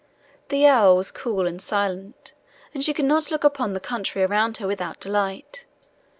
The hour was cool and silent, and she could not look upon the country around her without delight.